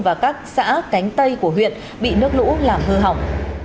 và các xã cánh tây của huyện bị nước lũ làm hư hỏng